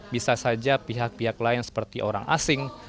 bisa saja pihak pihak lain seperti orang asing